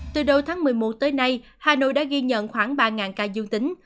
từ đầu tháng một mươi một tới nay hà nội đã ghi nhận khoảng ba ca dương tính